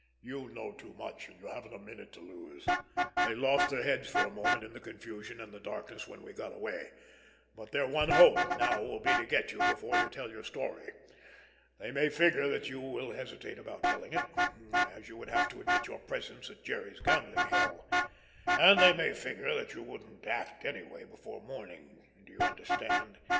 "You know too much, and you haven't a minute to lose. They lost their heads for a moment in the confusion and the darkness when we got away, but their one hope now will be to get you before you tell your story. They may figure that you will hesitate about telling it, as you would have to admit your presence at Jerry's gambling hell—and they may figure that you wouldn't act anyway before morning. Do you understand?